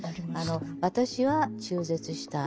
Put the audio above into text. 私は中絶した。